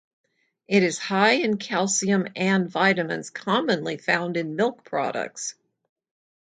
It is high in calcium and vitamins commonly found in milk products.